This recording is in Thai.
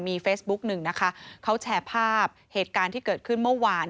มีเฟซบุ๊กหนึ่งนะคะเขาแชร์ภาพเหตุการณ์ที่เกิดขึ้นเมื่อวาน